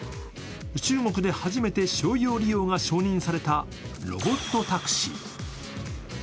中国で初めて商用利用が承認されたロボットタクシー。